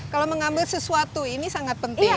kalau mengambil sesuatu ini sangat penting